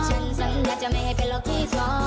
ฉันสัญญาจะไม่ให้เป็นหรอกที่๒